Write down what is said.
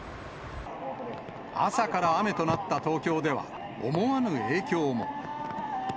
朝から雨となった東京では、思わぬ影響も。